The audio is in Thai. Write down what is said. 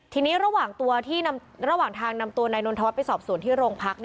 ทีนี้ระหว่างทางนำตัวนายนทวัฒน์ไปสอบสวนที่โรงพัก